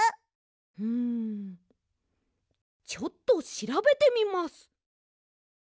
うんちょっとしらべてみます。